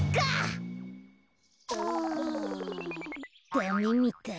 ダメみたい。